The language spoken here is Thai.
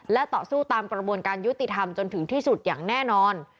และต่อสู้ตามกระบวนการยุติธรรมจนถึงที่สุดอย่างแน่นอน